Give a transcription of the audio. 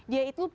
dia itu pip